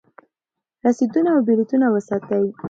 رسیدونه او بیلونه وساتئ.